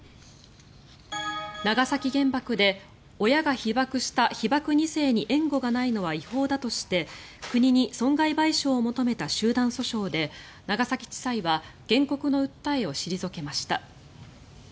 長崎原爆で親が被爆した被爆二世に援護がないのは違法だとして国に損害賠償を求めた集団訴訟で長崎地裁は原告の訴えを退けました。